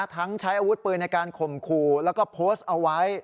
ใช้อาวุธปืนในการข่มขู่แล้วก็โพสต์เอาไว้